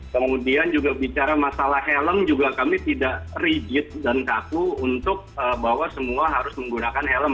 kemudian juga bicara masalah helm juga kami tidak rigid dan kaku untuk bahwa semua harus menggunakan helm